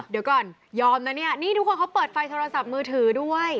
เดี๋ยวก่อนยอมนะเนี่ยนี่ทุกคนเขาเปิดไฟโทรศัพท์มือถือด้วย